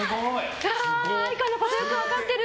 愛花のこと、よく分かってる。